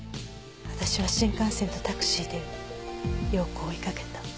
私は新幹線とタクシーで洋子を追いかけた。